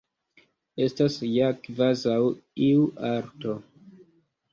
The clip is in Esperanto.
Estas ja kvazaŭ iu arto.